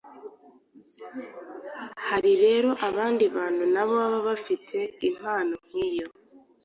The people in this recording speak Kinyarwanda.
Hari rero abandi bantu na bo baba badafite impano nk’iyo